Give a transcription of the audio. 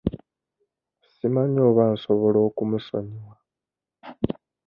Simanyi oba nsobola okumusonyiwa.